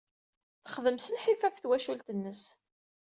Texdem s lḥif ɣef twacult-nnes.